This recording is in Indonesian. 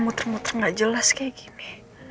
muter muter nggak jelas kayak gini